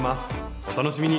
お楽しみに。